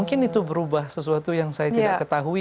mungkin itu berubah sesuatu yang saya tidak ketahui